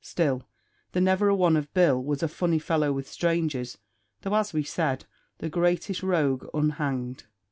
Still, the never a one of Bill but was a funny fellow with strangers, though, as we said, the greatest rogue unhanged.